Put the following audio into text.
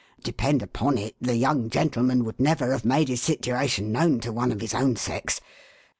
Depend upon it, the young gentleman would never have made his situation known to one of his own sex.